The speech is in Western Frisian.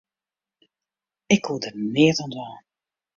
Ik koe der neat oan dwaan.